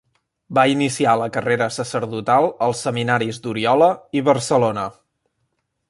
Va iniciar la carrera sacerdotal als seminaris d'Oriola i Barcelona.